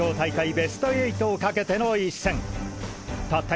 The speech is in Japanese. ベスト８をかけての一戦たった